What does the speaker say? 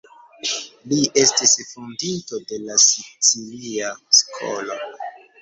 Li estis fondinto de la Sicilia Skolo.